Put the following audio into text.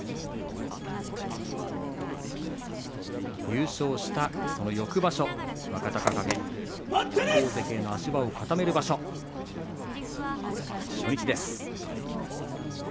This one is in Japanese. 優勝したその翌場所若隆景、大関への足場を固める場所、初日です。